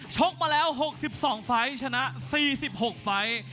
กมาแล้ว๖๒ไฟล์ชนะ๔๖ไฟล์